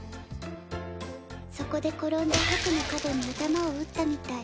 そこで転んで白の角に頭を打ったみたい。